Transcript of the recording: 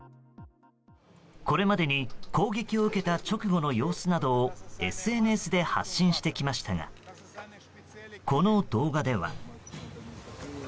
これまでに攻撃を受けた直後の様子などをＳＮＳで発信してきましたがこの動画では。